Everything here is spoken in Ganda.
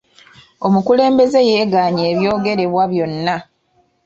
Omukulembeze yeegaanye ebyogererebwa byonna.